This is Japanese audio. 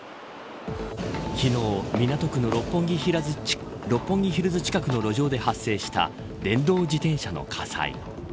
昨日、港区の六本木ヒルズ近くの路上で発生した電動自転車の火災。